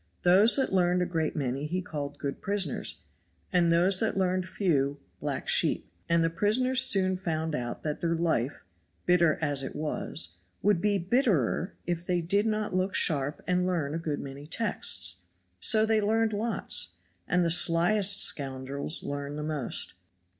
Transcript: Those that learned a great many he called good prisoners, and those that learned few black sheep; and the prisoners soon found out that their life, bitter as it was, would be bitterer if they did not look sharp and learn a good many texts. So they learned lots and the slyest scoundrels learned the most.